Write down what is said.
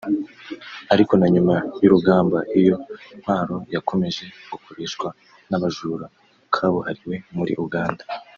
Ariko na nyuma y’urugamba iyo ntwaro yakomeje gukoreshwa n’abajura kabuhariwe muri Uganda